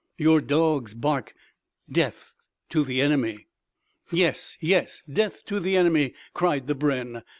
"Your dogs bark death to the enemy." "Yes, yes; death to the enemy!" cried the brenn.